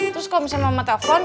terus kalo misalnya mama telpon